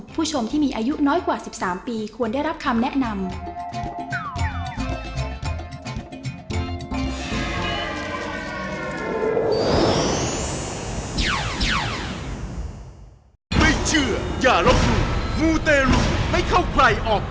ผู้ชมที่มีอายุน้อยกว่า๑๓ปีควรได้รับคำแนะนำ